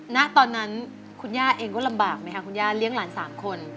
ณตอนนั้นคุณย่าเองก็ลำบากไหมคะคุณย่าเลี้ยงหลาน๓คน